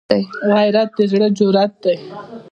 غیرت د زړه جرأت دی